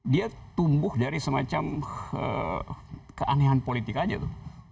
dia tumbuh dari semacam keanehan politik aja tuh